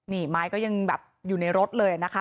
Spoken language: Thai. นี่มายก็ยังอยู่ในรถเลยนะคะ